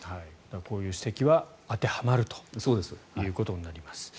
こういう指摘は当てはまるということになります。